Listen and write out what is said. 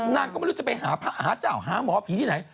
นางก็ไม่รู้จะไปหาพระหาเจ้าหาหมอผีที่ไหน